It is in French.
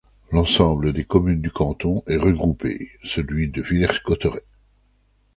L'ensemble des communes du canton est regroupée celui de Villers-Cotterêts.